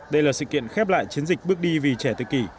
đây là sự kiện khép lại chiến dịch bước đi vì trẻ tự kỷ